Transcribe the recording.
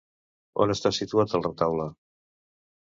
On està situat el retaule?